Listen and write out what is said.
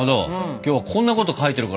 今日はこんなこと書いてるからさ。